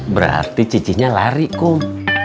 berarti cicinya lari kum